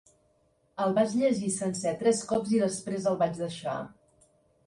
El vaig llegir sencer tres cops i després el vaig deixar.